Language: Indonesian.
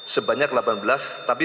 sebanyak delapan belas tapi berkurang tiga